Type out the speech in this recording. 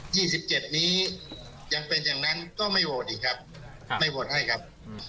ที๑๗นี้ยังเป็นอย่างนั้นก็ไม่โหวตอีกครับไม่โหวตให้ครับ